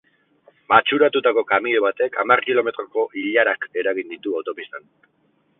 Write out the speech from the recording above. Matxuratutako kamioi batek hamar kilometroko ilarak eragin ditu autopistan.